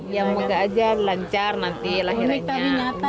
ya moga aja lancar nanti lahirannya